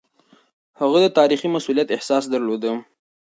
هغه د تاريخي مسووليت احساس درلود.